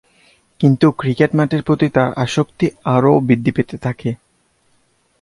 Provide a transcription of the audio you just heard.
কিন্তু ক্রিকেট মাঠের প্রতি তার আসক্তি আরও বৃদ্ধি পেতে থাকে।